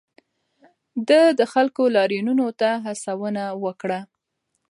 ده د خلکو لاریونونو ته هڅونه وکړه.